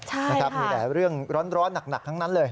ใช่นะครับมีแต่เรื่องร้อนหนักทั้งนั้นเลย